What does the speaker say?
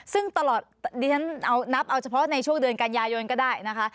ซึ่งตลอดดิฉันเอานับเอาเฉพาะในช่วงเดือนกันยายนก็ได้นะคะ